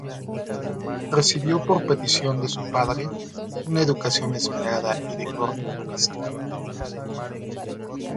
Recibió por petición de su padre una educación esmerada y de corte humanista.